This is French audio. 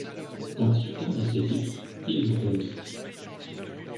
Quand il tourne assez vite, il vrombit.